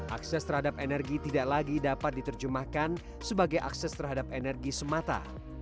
akses terhadap energi tidak lagi dapat diterjemahkan sebagai akses terhadap energi semata